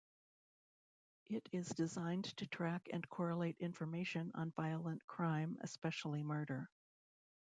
It is designed to track and correlate information on violent crime, especially murder.